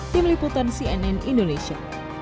tim liputan cnn indonesia